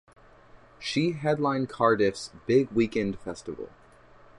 She headlined Cardiff's "Big Weekend festival".